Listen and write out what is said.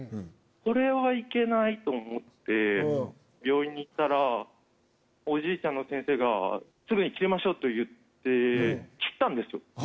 これはいけないと思って病院に行ったらおじいちゃんの先生がすぐに切りましょう！と言って切ったんですよ。